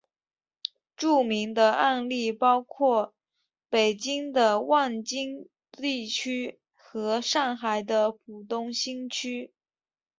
著名的案例包括北京的望京地区和上海的浦东新区。